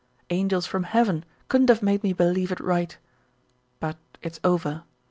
Angels from heaven couldn't have made me believe it right; but it's over.